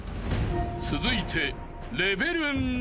［続いて］